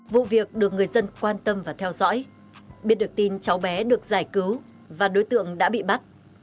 vụ việc được người dân quan tâm và theo dõi biết được tin cháu bé được giải cứu và đối tượng đã bị bắt